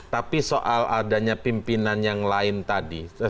tapi soal adanya pimpinan yang lain tadi